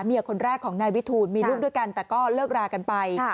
คนแรกของนายวิทูลมีลูกด้วยกันแต่ก็เลิกรากันไป